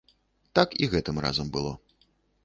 Так і гэтым разам было.